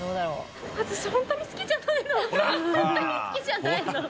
ホントに好きじゃないの。